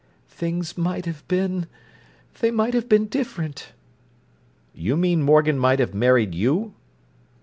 "Things might have been—they might have been different." "You mean Morgan might have married you?"